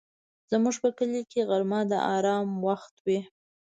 زموږ په کلي کې غرمه د آرام وخت وي